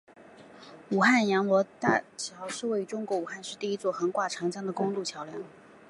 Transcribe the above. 武汉阳逻长江大桥是位于中国武汉市的一座横跨长江的公路桥梁。